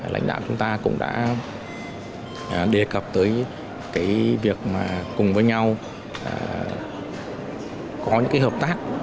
lãnh đạo chúng ta cũng đã đề cập tới việc cùng với nhau có những hợp tác